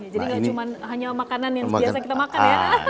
jadi gak cuma hanya makanan yang biasa kita makan ya